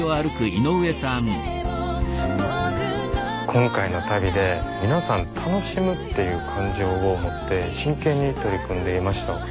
今回の旅で皆さん楽しむっていう感情を持って真剣に取り組んでいました。